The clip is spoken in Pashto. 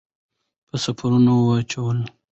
په سفیر واچوله.